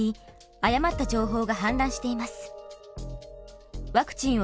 誤った情報が氾濫しています。